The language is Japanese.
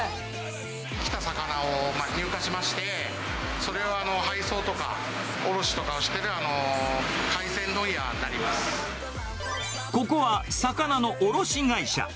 生きた魚を入荷しまして、それを配送とか、ここは魚の卸会社。